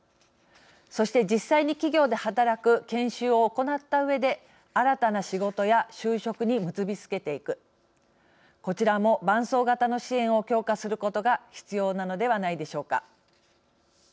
そして、実際に企業で働く研修を行ったうえで新たな仕事や就職に結び付けていくこちらも伴走型の支援を強化することが必要なのではないでしょうか。